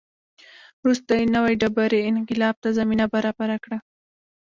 وروسته یې نوې ډبرې انقلاب ته زمینه برابره کړه.